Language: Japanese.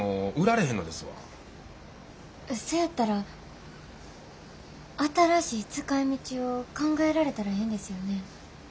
そやったら新しい使いみちを考えられたらええんですよね。